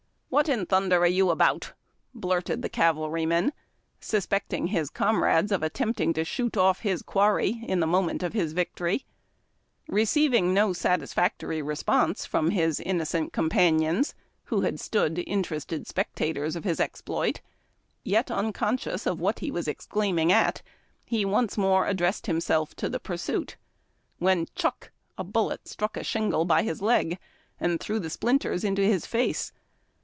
"What in thunder are you about!" blurted the cavalry man, suspecting his comrades of attempting to shoot off his quarry in the moment of victory. Receiving no satisfactory response from his innocent com panions, who had stood interested spectators of his exploit, yet unconscious of what he was exclaiming at, he once more addressed himself to the pursuit when, chuck ! a bullet struck a shingle by his leg and threw the splinters in his face.